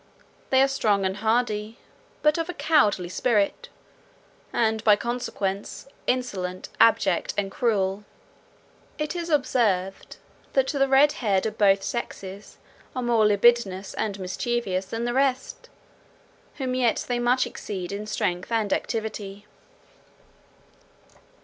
They are strong and hardy, but of a cowardly spirit, and, by consequence, insolent, abject, and cruel. It is observed, that the red haired of both sexes are more libidinous and mischievous than the rest, whom yet they much exceed in strength and activity.